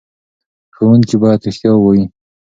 ښوونکي باید رښتیا ووايي.